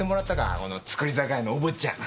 この造り酒屋のお坊ちゃんが。